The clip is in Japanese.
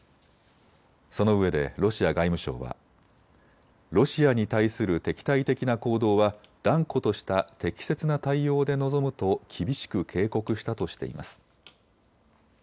そのうえでロシア外務省はロシアに対する敵対的な行動は断固とした適切な対応で臨むと厳しく警告したとしています。